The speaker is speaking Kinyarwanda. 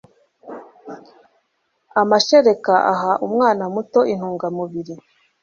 amashereka aha umwana muto intungamubiri